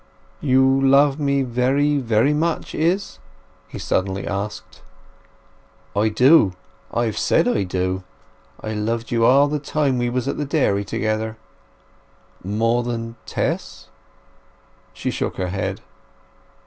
"You love me very, very much, Izz?" he suddenly asked. "I do—I have said I do! I loved you all the time we was at the dairy together!" "More than Tess?" She shook her head.